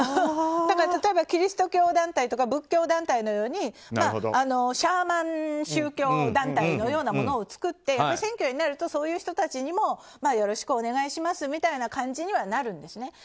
例えばキリスト教団体とか仏教団体のようにシャーマン宗教団体みたいなものを作って選挙になるとそういう人たちにもよろしくお願いしますみたいな感じにはなるんですね。